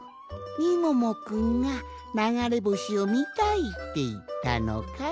みももくんがながれぼしをみたいっていったのかい？